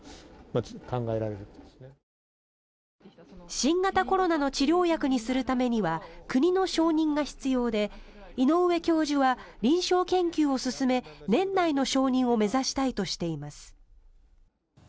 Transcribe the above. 新型コロナの治療薬にするためには国の承認が必要で井上教授は臨床研究を進め年内の承認を目指したいとしています。